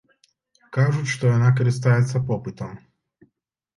Кажуць, што яна карыстаецца попытам.